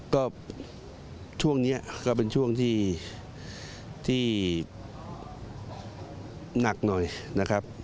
ก็ช่วงนี้ก็เป็นช่วงที่หนักหน่อยนะครับ